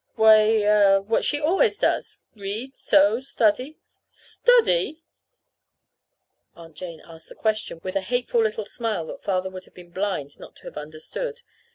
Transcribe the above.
Why er what she always does; read, sew, study " "Study?" Aunt Jane asked the question with a hateful little smile that Father would have been blind not to have understood.